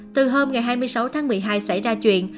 từ hôm ngày hai mươi sáu tháng một mươi hai xảy ra chuyện